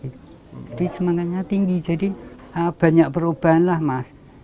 tapi semangatnya tinggi jadi banyak perubahan lah mas